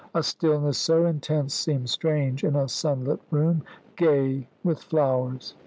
A stillness so intense seemed strange in a sunlit room, gay with flowers.